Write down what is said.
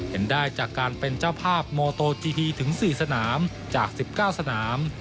เห็นได้จากการเป็นเจ้าภาพโมโตจีฮีถึง๔สนามจาก๑๙สนาม